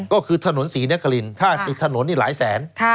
ก็คือถนน๔นะคลินถ้าอีกถนนนี่หลายแสน